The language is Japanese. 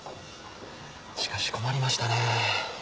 しかし困りましたね。